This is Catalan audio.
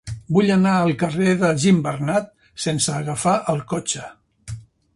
Vull anar al carrer dels Gimbernat sense agafar el cotxe.